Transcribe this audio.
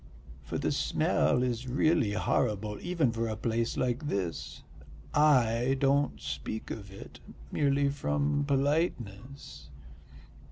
For the smell is really horrible even for a place like this. I don't speak of it, merely from politeness."